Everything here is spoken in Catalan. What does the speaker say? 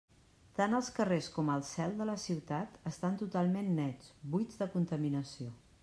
Tant els carrers com el «cel» de la ciutat estan totalment nets, buits de contaminació.